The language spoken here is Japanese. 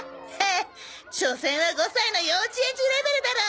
しょせんは５歳の幼稚園児レベルだろ！